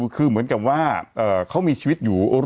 คือเหมือนกับว่าเขามีชีวิตอยู่